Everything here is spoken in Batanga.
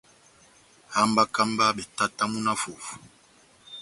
Hambaka mba betatamu na fufu.